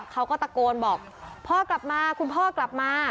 เขาก็ตะโกนบอกพ่อกลับมาคุณพ่อกลับมา